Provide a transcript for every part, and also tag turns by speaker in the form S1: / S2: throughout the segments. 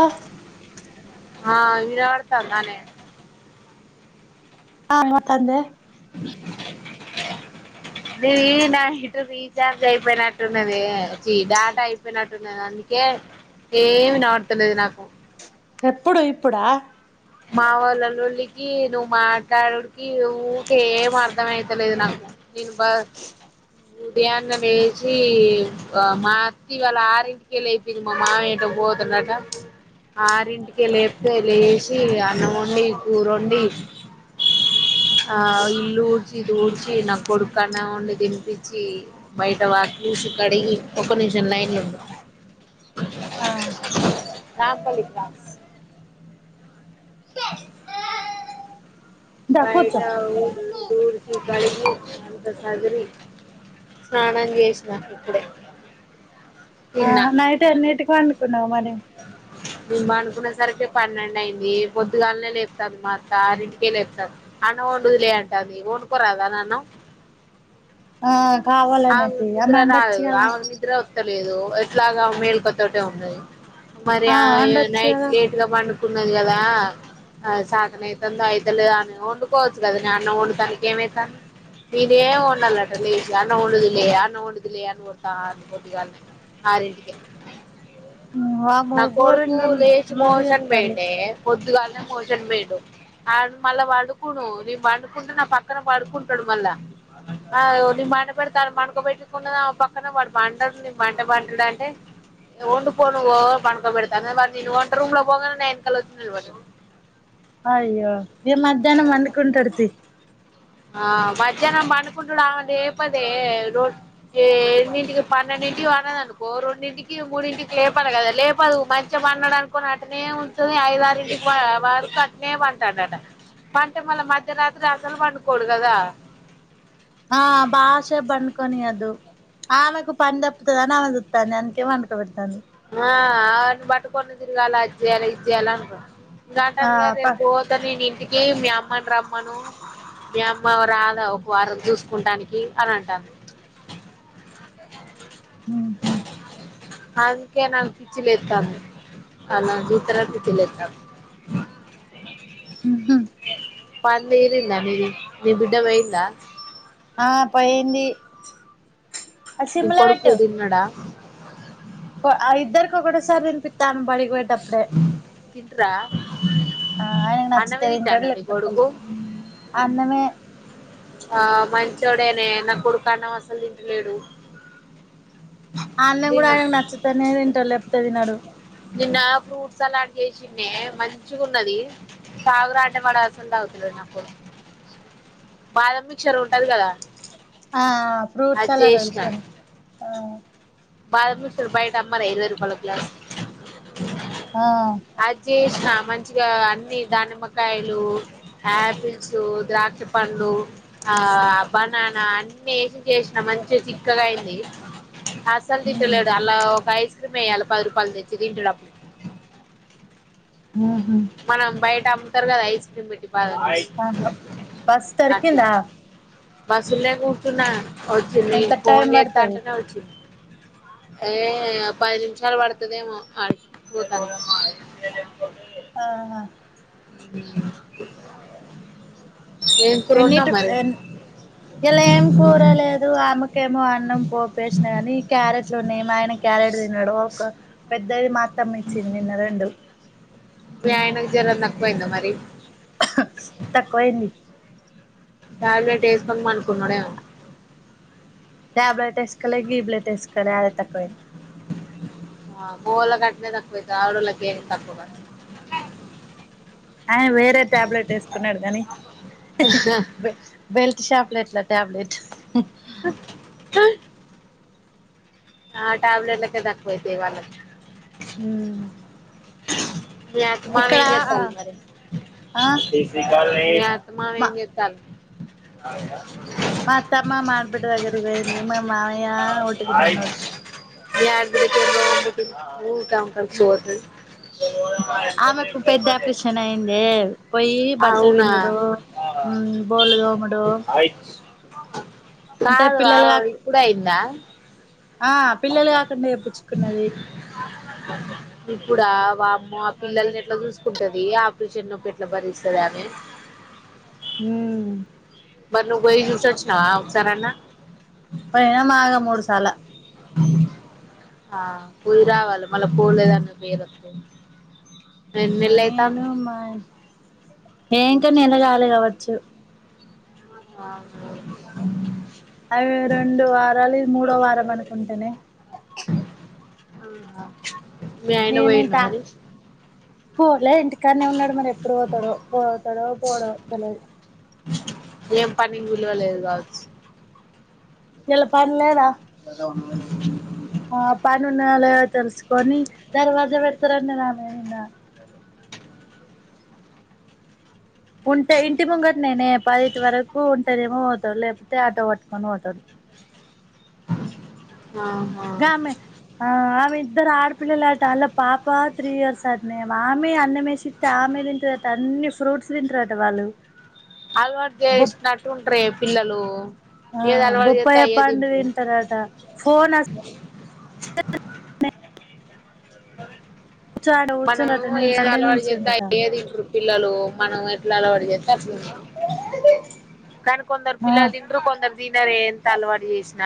S1: ఆ
S2: ఆ ఇరా ఆడతారు ననే
S1: అ అమ్మ వాతందే
S2: విన ఇటు వి ఛార్జ్ అయిపోయినట్టున్నది, డేటా అయిపోయినట్టున్నది అందుకే ఏమి నోడతలేదు నాకు
S1: ఎప్పుడు ఇప్పుడా
S2: మా వాళ్ళల్లుల్లికి నువ్వు మాట్డుడికి ఊకే ఏం అర్ధం అయితలేదు నాకు, నేను బ ఉదయాన్న వేసి మాతి వాళ్ళ ఆరింటికే లేపోంది మా మావ ఏటో పోతున్నట, ఆరింటికే లేపితే లే అన్నం వండి, కూర వండి, ఆ ఇల్లు ఊడ్చి, తూడ్చి నా కొడుకు అన్న వండి తినిపించి బయట వాట్ల కడిగి ఒక నిమిషం లైన్లు ఉం
S1: ఆ
S2: నాంపల్లెకా
S1: దా
S2: బయట
S1: కూర్చో
S2: ఊ ఊడికి కడిగి అంత చదిరి స్నానం చేసినా ఇక్కడే
S1: ఆ నైట్ ఎన్నిటికి వండుకున్నావు మరి
S2: ఇబనుకునే సరికి పన్నెండు అయింది, పొద్దుగాలనే లేపుతుంది మ అత్త అన్నింటికే లేపుతంది, అన్నమ్ వండుదులే అంటది వండుకోరాదా అన్న
S1: ఆ
S2: అ
S1: కావాలనే తీయ
S2: నిద్ర రాదు
S1: వండొచ్చు
S2: ఆ
S1: కదా
S2: నిద్ర వతలేదు ఎట్లాగా మేలుకతోటే ఉన్నాయి మరి ఆ
S1: వండొచ్చు
S2: నైట్
S1: కదా
S2: లేట్ గా పండు న్నది కదా, ఆ సాతన అవుతుందో అయితలే అని వండుకోవచ్చు కదా న అన్న వండుతానికి ఏమవుతాను నేనే ఏమి వండాలట లేసి అన్నఉండదులే అన్న ఉండదులే అని కొడతా ఉంది పొద్దానాలే ఆరు ఇంటికి
S1: వామ్మో
S2: నా కొడుకు
S1: ఘోరంగా
S2: లేచి
S1: లొల్లి
S2: మొషన్
S1: చేత్తాలు
S2: పోయిండే పొద్దుగానే మొషన్ పోయిడు ఆ మళ్ళా పడుకును నీను పండుకుంటే నా పక్కన పడుకుంటాడు మళ్ళా వొళ్లు మాట పెడతాను పనుకబెట్టుకున్న పక్కన వాడు పంటారు నేను బంట పంటడు అంటే, వండికొ నువ్ పనుకబెడతాను వా నేను వంట రూమ్ లో పోగానే న వెనకల వచ్చి నిలబడిత
S1: అయ్యో ఏ మధ్యాహ్నం పండుకుంటడు తి
S2: ఆ మధ్యాహ్నం పండుకుంటుడు. ఆమె లేపదె రొ రెండింటికి పన్నెండింటికి పండ్నాడు అనుకొ రెండింటికి మూడింటికి లేపాల కదా లేపదు. మంచిగా పంన్నాడు అనుకోని అట్టనే ఉంటది, ఐదారింటికి వరకు అట్టనే పండుతండట పండ్తే మళ్ళ మధ్యరాత్రి అసలు పండుకోడు కదా.
S1: ఆ బాష పండుకొనియద్దు. ఆమెకు పని తప్పుతది అని ఆమె చుతంది ఎందుకే పడుకోబెడతంది.
S2: ఆ ఆయన్ని పట్టుకొని తిరగాల, అది చేయాల ఇది చేయాల అనుకో
S1: ఆ
S2: ఘటన్ గా
S1: ప
S2: రేపు పోత నేను ఇంటికి మీ అమ్మను రమ్మను. మీ అమ్ మా రాదా ఒక వారం చూసుకుంటానికి అని అంటంది.
S1: ఉహు
S2: అందుకే నాకి పిచ్చి లెత్తంది. ఆళ్లని చూతెనె పిచ్చి లెత్తంది. పంది ఈనింద మీది నీ బిడ్డ పోయిందా.
S1: ఆ పోయింది.
S2: నీ
S1: సిమ్లో
S2: కొడుకు ఈడున్నాడా
S1: ఆ ఇద్దరికి కూడా సర్ ని ఇపిత్తం బడికి పెడి తె అప్పుడే
S2: తింట్రా
S1: ఆ అయన నచ్చితె
S2: అన్నమే
S1: తింటడు.
S2: తింటాండా నీ
S1: లేకపోతె లే
S2: కొడుకు
S1: అన్నమే
S2: ఆ మంచోడె నె నా కొడుకు అన్నం అసలు తింటలేడు.
S1: అన్నం కూడ
S2: నిన్న
S1: ఆయనకు నచ్చుతేనే తంటాడు లె ప్తే వినడు
S2: నిన్న ఫ్రూట్ సలాడ్ చేసింద్నే మంచిగ ఉన్నది. తాగురా అంటె వాడు అస్సలు తాగుతలేదు. వాడు నా కొడుకు బాదం మిక్చర్ ఉంటది కదా
S1: ఆ ఆ ఫ్రూట్
S2: అది
S1: సలాడ్
S2: చేసిన
S1: వేశాను. ఆ
S2: బాదం మిక్చర్ బయట అమ్మర ఇరవై రూపాయల అట్ల.
S1: ఆ
S2: అది జేష్ న మంచిగా అన్ని దానిమ్మకాయలు, యాపిల్స్ ద్రాక్ష పండ్లు, ఆ బనానా, అన్ని ఏసి చేసిన మంచిగ చిక్కగ అయింది. అస్సలు
S1: ఉమ్
S2: తింటలేడు అలా ఒక ఐస్ క్రీమ్ ఎయాలా పది రూపాయలది తెచ్చి తింటడప్పుడు
S1: ఉహు
S2: [unintelligible] మనం బయట ఇత్తారు కద ఐస్ క్రీమ్ పెట్టి బాదం చేసి
S1: వామ బస్ దొరికిందా.
S2: బస్సులే కూకున్న వచ్చింది
S1: ఎంత
S2: ఫోన్
S1: టైం
S2: చేత్తా,
S1: పడుతది
S2: అంటేనె వచ్చింది. ఏ పది నిమిషాలు పడుతదేమో ఆడికి పోతని [unintelligible]
S1: ఆహ
S2: [unintelligible] ఏం కూర వండినావ్
S1: ఎన్నిట్
S2: మరి
S1: ఇలా ఏం కోరలేదు ఆమె ఏమో అన్నం పోపేసిన కాని క్యారెట్లు ఉన్నాయి మా ఆయన క్యారెట్ తినడు పెద్దది మాత్ అత్తమ్మ ఇచ్చింది నిన్న రెండు
S2: జర నాకోయిందా మరి
S1: తక్కువయింది
S2: ట్యాబ్లెట్ వేసుకొని పనుకున్నాడు ఏమో
S1: ట్యాబ్లేట్ ఏసుకోలే గిబ్లేట్ ఎస్కోల అదే తక్కువయింది
S2: ఆ గోల గట్నే తక్వయితది ఆదోళ్లకు ఏం తక్కువకదు
S1: ఆయన వేరే టాబ్లెట్ వేసుకున్నాడు గని బే బెల్ షాక్లెట్ల టాబ్లెట్
S2: ఆ ట్యాబ్లేట్లకే తకువైతయి వాళ్ళకి
S1: హ్మ్
S2: మీ అమ్మ మీ చేత్తంది
S1: ఆ
S2: మరి ఏ మామ
S1: మా
S2: ఏం చేత్తారు రాలేదా
S1: మా అత్తమ్మ మాబిడ్డ దగ్గరికి పోయింది మా మామయ్య ఓటికనే ఉన్నాడు
S2: యా బిడ్డ ఎం ఊరికే [unintelligible]
S1: ఆమెకు పెద్ద ఆపరీషన్ అయింది పోయి కి బట్టల్
S2: అవునా
S1: పిండుడు మ్మ్ బోల్ తోముడు
S2: ఆ
S1: అంటే
S2: కాదు
S1: పిల్లలు
S2: అ
S1: కాక
S2: ఇప్పుడే అయిందా
S1: ఆ పిల్లలు కాకుండా చెపిచ్చుకున్నాది
S2: ఇప్పుడ వామ్మో ఆ పిల్లల్ని ఎట్లా చూసుకుంటది ఆపరిషన్ నొప్పి ఎట్ల భరిస్తది ఆమె
S1: హ్మ్
S2: మరి నువ్వు పోయి చూసోచ్చినవా ఒకసారన్న
S1: పోయిన మాగ మూడు సాల
S2: ఆ పోయిరావాలా మల్ల పోలేదన్న పేరు వత్తది ఎన్ నెల్ అయితంది
S1: ఏ ఇంక నెలగాలే గావచ్చు
S2: అవున అవున గా
S1: అవి రెండు వారాలు ఇ మూడోవ వారం అనుకుంటనే
S2: ఆ మీ అయన పోయిన్నా మరి
S1: పోలే ఇంటికానే ఉన్నాడు మరి ఎప్పుడు పోతాడో పోతాడో పోడో తెలిదు
S2: ఏం పనిని విలువలేదు కావచ్చు
S1: ఇయ్యాల పని లేదా అ పనున్న లే తెలుసుకొని దర్వాజా పెడతారండ రానే నిన్న ఉంటే ఇంటి ముంగట నేనే పది ఇటి వరకు ఉంటనేమో పోతాడు, లేకపోతే ఆటో పట్టుకొని పోతాడు
S2: ఆహా
S1: గామె అ ఇద్దరు అడ పిల్లలాట ఆల్ల పాప త్రీ ఇయర్స్ అట్నే ఆమె అన్నమేసి ఇత్తే ఆమె తింటారుట అన్ని ఫ్రూట్స్ తింటారట వాళ్ళు
S2: అలవాటు
S1: బొప్
S2: చేసినట్టు ఉంటరే పిల్లలు
S1: ఆ
S2: ఏది అలవాటు చేత్తే
S1: బొప్పాయ్య
S2: అయ్యే
S1: పండు
S2: తింటరు
S1: తింటరట ఫోన్ వస్ [inaudible] కూర్చోంటే
S2: మనం
S1: కూర్చుండట
S2: ఏది
S1: నిల్చంటే
S2: అలవాటు చెత్తే
S1: నిల్చుండట
S2: అయ్యే తింట్రు పిల్లలు మనం ఎట్లా అలవాటు చేస్ [unintelligible] కానీ కొందరు
S1: ఆ
S2: పిల్లలు తింట్రు కొందరు తినరే ఎంత అలవాటు చేసిన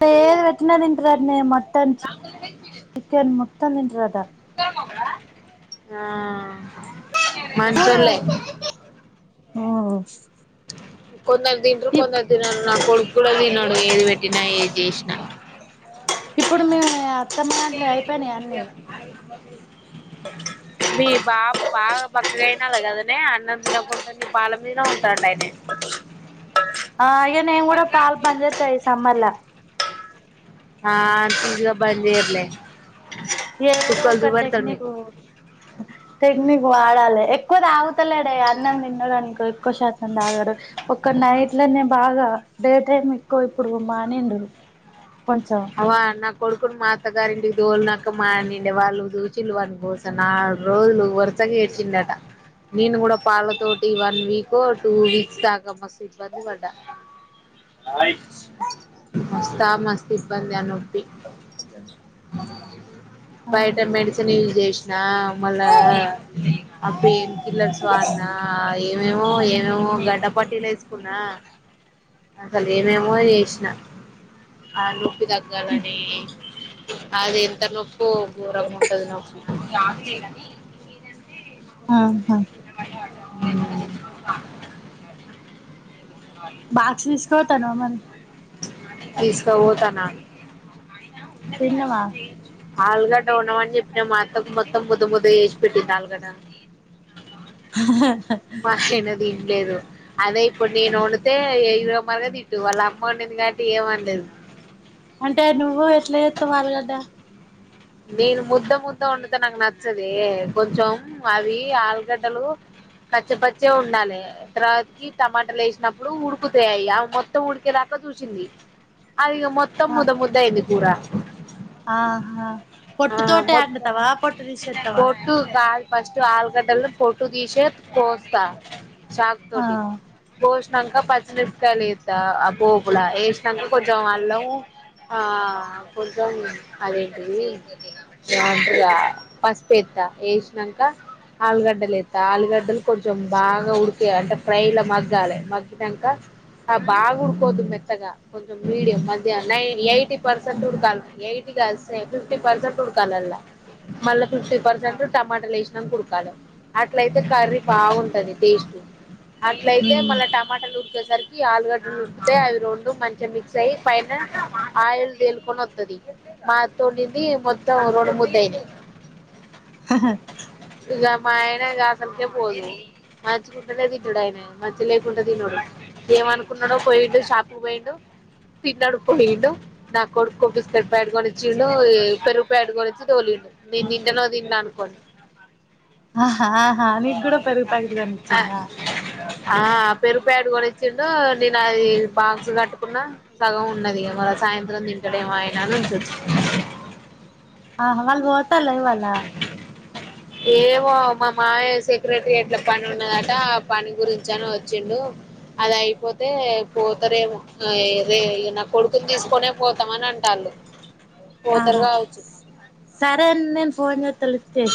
S1: టే అట్నే తింట్రు అట్నే మాట్
S2: [inaudible]
S1: టన్ తింటరట
S2: ఆ మంచోల్లే
S1: మ్మ్
S2: కొందరు తింట్రు కొందరు తినరు నా కొడుకు కూడా తినడు ఏది పెట్టినా ఏది చేసినా
S1: ఇప్పుడు మేము టేర్
S2: మీ బాబు బాగా బక్కగా అయినాడు కదనే అన్నం తినకుంటా నే పాల మీదనే ఉంటండు ఆయనే
S1: ఆ ఇగ నేను కూడా పాలు బంద్ చేస్తా ఈ సమ్మర్ ల
S2: ఆ అంత ఈసీగా బంద్జేయర్లే
S1: ఏదో ఒక టెక్నికు టెక్నిక్ వాడాలి ఎక్కువ తాగుత [unintelligible] అన్నం తిన్నడు అనుకో ఎక్కువ శాతం తాగడు ఒక్క నైట్ లో నే బాగా డే టైమ్ ఎక్కువ ఇప్పుడు మానిండు కొంచెం
S2: అవ నా కొడుకుని మాత గారింటికి తోలినాక మారిండు వాళ్ళు దూచి వా కోసం నాలుగు రోజులు వరుసగా ఏడ్చిండట నేను కూడా పాల తోటి వన్ వీక్ టూ వీక్స్ దాకా మస్తు ఇబ్బంది పడ్డా మస్తా మస్ ఇబ్బంది ఆ నొప్పి బయట
S1: ఆహా
S2: మెడిసిన్ యూజ్ చేసినా మళ్ళా ఆ పెయిన్ కిల్లర్స్ వాడిన ఏమేమో ఏమేమో గడ్డ పట్టీలు వేసుకున్నా అసలు ఏమేమో చేసినా ఆ నొప్పి తగ్గాలని అది ఎంత నొప్పో ఘోరంగా ఉంటది నొప్పి
S1: ఆహా బాక్స్ తీసుకుపోతున్నావా మరి
S2: తీసుకపోతన్న
S1: తిన్నవా
S2: ఆల్గా వుండమని చెప్పిన మోత్తం మొత్తం ముద ముద చేసి పెట్టింది ఆలుగడ్డ [unintelligible] తిట్లేదు అదే ఇప్పుడు నేను వండితే, ఇరో మార్గా తిట్టు వాళ్ళ అమ్మ వండింది కాబట్టి ఏమనలేదు
S1: అంటే నువ్వు ఎట్లా చేస్తావ్ ఆలుగడ్డ
S2: నేను ముద్ద ముద్ద వంతే నాకు నచ్చదే, కొంచెం అవి ఆలుగడ్డలు కాచేపచ్చే ఉండాలి, తర్వాతికి టమాటలు వేసినప్పుడు ఉడుకుతయి అవి మొత్తం ఉడికేదాకా చూసింది అది మొత్త
S1: ఆ
S2: ముద్ద ముద్ద అయింది కూరా
S1: ఆహా పొట్టుతోనే
S2: మొత్తం
S1: వండుతావా పొట్టు తీసేస్తావా
S2: పొట్టు కాదు ఫస్ట్ ఆలుగడ్డలు పొట్టు దీసే కోస్త చాక్
S1: ఆ
S2: తోటి కోసి సినకా పచ్చిమిపకాయలు ఎత, పోపుల వేసాక కొంచెం అళ్ళం ఆ కొంచెం అదేంటిది కొద్దిగా పసుపు ఎత్తా, వేసినాక ఆలుగడ్డలు ఎత్తా ఆలుగడ్డలు కొంచెం బాగా ఉడిక అంటే ఫ్రై లో మగ్గాలి, మగినక బాగా ఉడకోవద్దు మెత్తగా, కొంచెం మీడియం ఎయిటీ పర్సెంట్ ఉడకాలి ఎయిటీగా వస్తే ఫిఫ్టీ పర్సెంట్ ఉడకల అల్ల మళ్ళా ఫిఫ్టీ పర్సెంట్ టమాటలు వేసినాక ఉడకలి, అట్లయితే కర్రీ బాగుంటుంది టేస్ట్ అట్లైతే
S1: ఉమ్
S2: మన టమాటాలు ఉరికి రి ఆలుగడ్డలు ఉదూకితే అవి రెండు మంచిగా మిక్స్ అయ్యి పైన ఆయిల్ తేలుకొని వస్తుంది మాతో ఇది మొత్తం రోడ్డు ముందయిన
S1: హా హ
S2: ఇగా మా ఆయన కి అసలకే పోదు మంచికుంటనే తింటడుఆయన మంచిగా లేకుంటే తినడు. ఏమనుకున్నాడో పోయిండు షాప్ కి పోయిండు తిన్నాడు, పోయిండు నా కొడుకు కి బిస్కెట్ ప్యాకెడుకొనిచ్చిండు. పెరుగు ప్యాకెట్ కొనిచ్చి తోలిండు నేను తింటాను తిననో అనుకోని
S1: ఆహా ఆహా నీకు కూడా పెరుగు ప్యాకెట్
S2: అ
S1: కొనిచ్చిండా
S2: ఆ పెరుగో ప్యాకెట్ కూడా నిన్ నేను అది బాక్స్ కట్టుకున్నా సగం ఉన్నది మరి సాయంత్రం తింటాడేమో ఆయన అని ఉంచొచ్చి
S1: ఆహ వాళ్ళు పోతాలే ఇవాళ
S2: ఏమో మా మామయ్య సెక్రటరియట్ల పని ఉన్నదట ఆ పని గురించి అని వచ్చిండు, అది అయిపోతే పోతరేమో అయే రే నా కొడుకుని తీసుకొనే పోతామని అంటాళ్ళు. పోతారు
S1: ఆహా
S2: కావచ్చు
S1: సరే నేన్ ఫోన్ జేత్త లిఫ్ట్ చెయ్